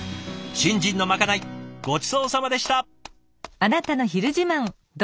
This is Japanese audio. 新人のまかないごちそうさまでした。